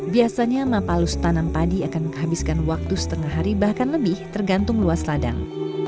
biasanya mapalus tanam padi akan menghabiskan waktu setengah hari bahkan lebih tergantung luas ladang